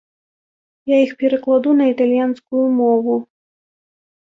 Я іх перакладу на італьянскую мову.